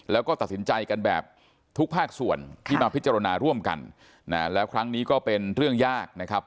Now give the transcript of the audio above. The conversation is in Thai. แล้วก็ตัดสินใจกันแบบทุกภาคส่วนที่มาพิจารณาร่วมกันแล้วครั้งนี้ก็เป็นเรื่องยากนะครับ